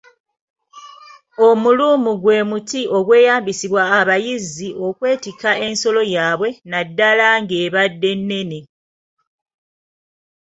Omuluumu gwe muti ogweyambisimbwa abayizzi okwetikka ensolo yaabwe naddala ng’ebadde nnene.